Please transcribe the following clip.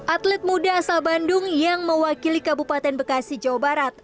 atlet muda asal bandung yang mewakili kabupaten bekasi jawa barat